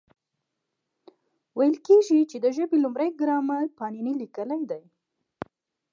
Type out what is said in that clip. ویل کېږي، چي د ژبي لومړی ګرامر پانني لیکلی دئ.